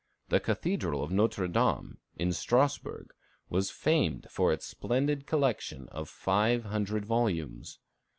The Cathedral of Nôtre Dame, in Strasbourg, was famed for its splendid collection of five hundred volumes.